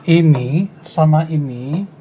ini sama ini